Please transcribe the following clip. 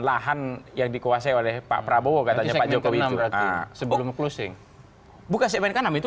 lahan yang dikuasai oleh pak prabowo katanya pak jokowi sebelum closing buka segmen ke enam itu